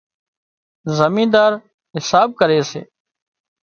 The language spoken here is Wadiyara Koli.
زمينۮار حساب ڪري سي